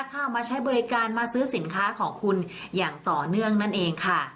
เข้ามาใช้บริการมาซื้อสินค้าของคุณอย่างต่อเนื่องนั่นเองค่ะ